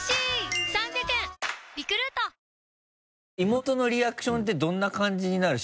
妹のリアクションってどんな感じになる？